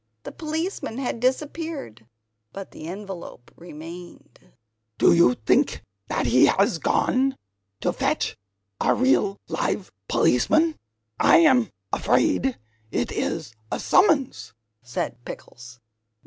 The policeman had disappeared. But the envelope remained. "Do you think that he has gone to fetch a real live policeman? I am afraid it is a summons," said Pickles.